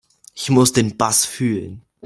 Ich muss den Bass fühlen.